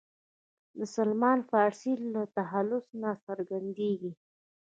د سلمان فارسي له تخلص نه څرګندېږي.